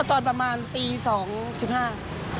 ตอนประมาณตี๒๑๕น